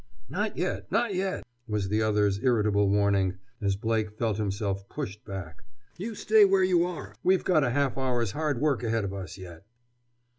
"Not yet! Not yet!" was the other's irritable warning, as Blake felt himself pushed back. "You stay where you are! We've got a half hour's hard work ahead of us yet!"